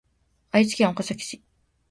愛知県岡崎市